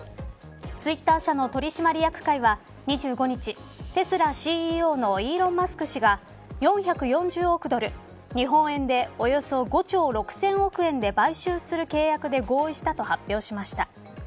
ツイッター社の取締役会は２５日テスラＣＥＯのイーロン・マスク氏が４４０億ドル日本円でおよそ５兆６０００億円で買収する契約で合意したと発表しました。